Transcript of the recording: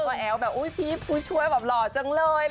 แล้วก็แอ้วแบบพี่ผู้ช่วยหล่อจังเลย